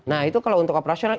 nah itu kalau untuk operasional